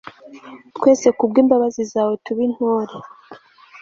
twese ku bw'imbabazi zawe, tube intore